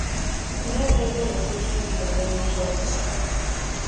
Era rey de las islas de Cerdeña y Córcega.